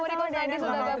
terima kasih mbak maudie